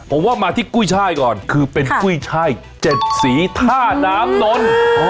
ผมว่ามาที่กุ้ยช่ายก่อนคือเป็นกุ้ยช่าย๗สีท่าน้ำนน